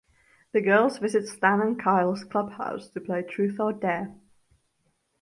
The girls visit Stan and Kyle's clubhouse to play Truth or Dare.